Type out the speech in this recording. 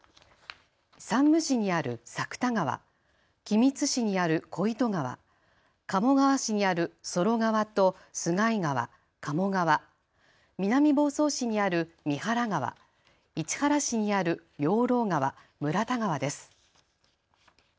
山武市にある作田川、君津市にある小糸川、鴨川市にある曽呂川と洲貝川、加茂川、南房総市にある三原川、市原市にある養老川、村田川です。